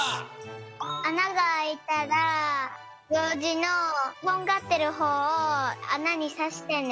あながあいたらようじのとんがってるほうをあなにさしてね。